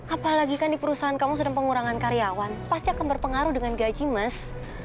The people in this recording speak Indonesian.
apalagi kan di perusahaan kamu sedang pengurangan karyawan pasti akan berpengaruh dengan gaji mas